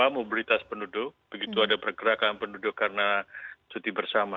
mobilitas penduduk begitu ada pergerakan penduduk karena cuti bersama